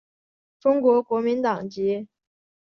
中国国民党籍。